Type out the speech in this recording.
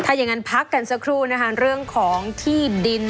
ถ้าอย่างนั้นพักกันสักครู่นะคะเรื่องของที่ดิน